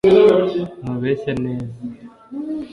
ntubeshya neza